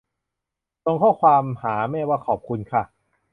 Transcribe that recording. ส่งข้อความหาแม่ว่าขอบคุณค่ะ